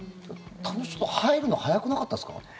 ちょっと入るの早くなかったですか？